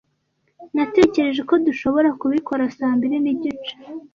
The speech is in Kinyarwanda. Natekereje ko dushobora kubikora saa mbiri nigice.